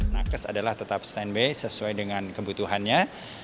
nakes adalah tetap stand by sesuai dengan kebutuhannya